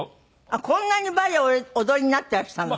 こんなにバレエ踊りになっていらしたの？